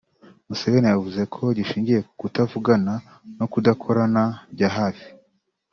Museveni yavuze ko gishingiye ku kutavugana no kudakorana bya hafi